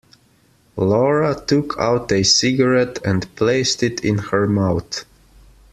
Laura took out a cigarette and placed it in her mouth.